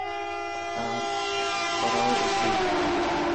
আর করাও উচিৎ।